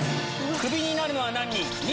クビになるのは何人？